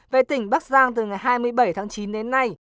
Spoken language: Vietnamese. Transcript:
về tỉnh bắc giang từ ngày hai mươi bảy tháng chín đến nay